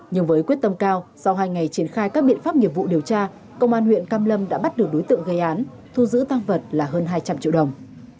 nhưng với quyết tâm cao sau hai ngày triển khai các biện pháp nghiệp vụ điều tra công an huyện cam lâm đã bắt được đối tượng gây án thu giữ tăng vật là hơn hai trăm linh triệu đồng